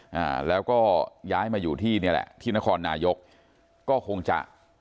อ่าแล้วก็ย้ายมาอยู่ที่นี่แหละที่นครนายกก็คงจะ